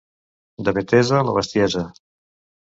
De Betesa, la bestiesa.